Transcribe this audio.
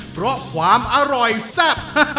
เพราะความอร่อยแซ่บ